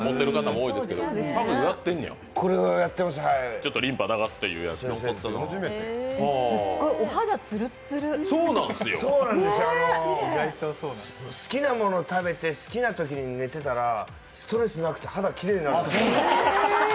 そうなんですよ、好きなもの食べて、好きなときに寝てたら、ストレスなくて、肌きれいになるんですよ。